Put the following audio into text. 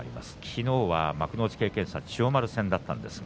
昨日は幕内経験者の千代丸戦でした。